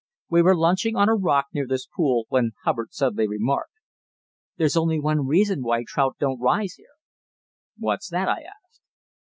We were lunching on a rock near this pool when Hubbard suddenly remarked: "There's only one reason why trout don't rise here." "What's that?" I asked.